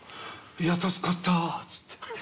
「いや助かった」っつって。